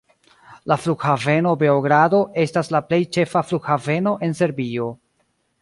La Flughaveno Beogrado estas la plej ĉefa flughaveno en Serbio.